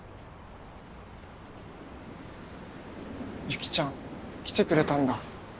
雪ちゃん来てくれたんだ。